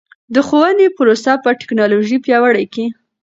د ښوونې پروسه په ټکنالوژۍ پیاوړې کیږي.